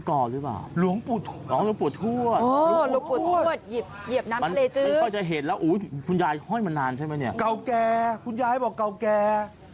เก่าแก่คุณญายบอกเก่าแก่